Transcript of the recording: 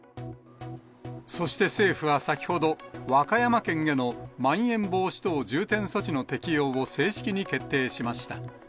そして政府は先ほど、和歌山県へのまん延防止等重点措置の適用を正式に決定しました。